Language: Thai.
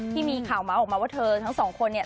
ที่มีข่าวเมาส์ออกมาว่าเธอทั้งสองคนเนี่ย